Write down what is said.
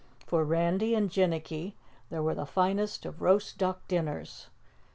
For Randy and Jinnicky there were the finest of roast duck dinners.